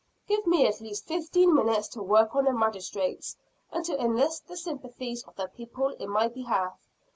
"Give me at least fifteen minutes to work on the Magistrates, and to enlist the sympathies of the people in my behalf.